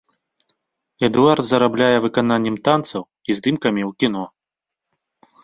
Эдуард зарабляе выкананнем танцаў і здымкамі ў кіно.